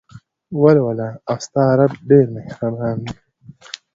ولوله او ستا رب ډېر مهربان دى.